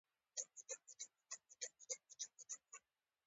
په افغانستان کې هره لوبه، مسخره او هر ډول ډنډوره ممکنه ده.